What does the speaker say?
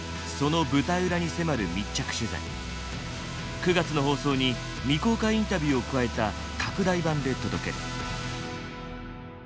９月の放送に未公開インタビューを加えた拡大版で届ける。